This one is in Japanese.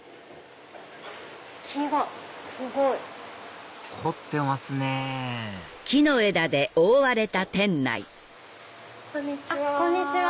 木がすごい！凝ってますねこんにちは。